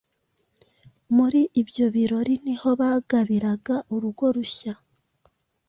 Muri ibyo birori ni ho bagabiraga urugo rushya.